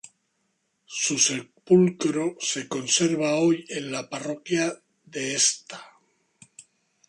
Su sepulcro se conserva hoy en la parroquia de Sta.